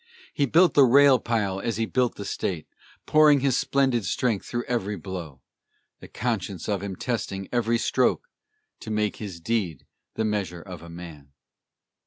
He built the rail pile as he built the State, Pouring his splendid strength through every blow, The conscience of him testing every stroke, To make his deed the measure of a man.